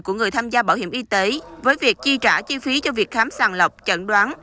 của người tham gia bảo hiểm y tế với việc chi trả chi phí cho việc khám sàng lọc chẩn đoán